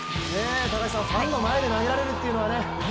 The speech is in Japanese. ファンの前で投げられるというのはね。